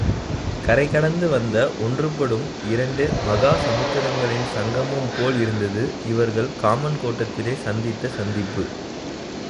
கரை கடந்து வந்த ஒன்றுபடும் இரண்டு மகா சமுத்திரங்களின் சங்கமம்போல் இருந்தது இவர்கள் காமன் கோட்டத்திலே சந்தித்த சந்திப்பு.